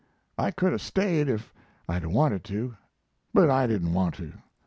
I could a staid if I'd a wanted to, but I didn't want to.